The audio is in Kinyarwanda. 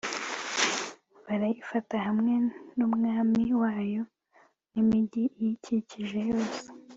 barayifata hamwe n'umwami wayo n'imigi iyikikije yose